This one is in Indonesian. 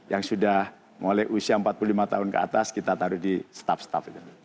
yang sudah mulai usia empat puluh lima tahun ke atas kita taruh di staf staff itu